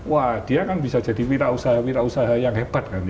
wah dia kan bisa jadi wirausaha wirausaha yang hebat kan ya